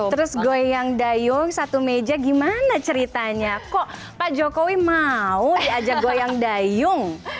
terus goyang dayung satu meja gimana ceritanya kok pak jokowi mau diajak goyang dayung